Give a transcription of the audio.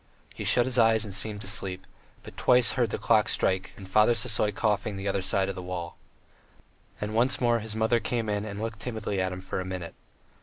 He shut his eyes and seemed to sleep, but twice heard the clock strike and Father Sisoy coughing the other side of the wall. And once more his mother came in and looked timidly at him for a minute.